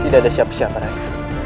tidak ada siapa siapa lagi